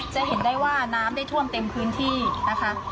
จะเห็นได้ว่าน้ำได้ท่วมเต็มพื้นที่นะคะ